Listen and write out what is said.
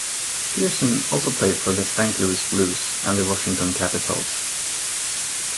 Pearson also played for the Saint Louis Blues and the Washington Capitals.